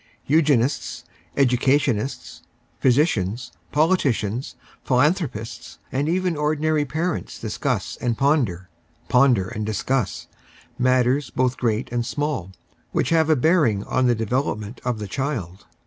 Eugenists, educa tionists, physicians, politicians, philanthropists, and even ordinary parents discuss and ponder, ponder and discuss, matters both great and small which have a bearing on the development of the child.